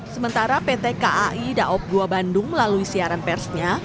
sementara pt kai daob dua bandung melalui siaran persnya